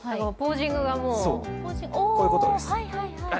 こういうことです。